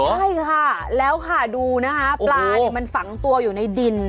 ใช่ค่ะแล้วค่ะดูนะคะปลาเนี่ยมันฝังตัวอยู่ในดิน